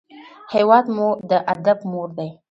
هېواد مو د ادب مور دی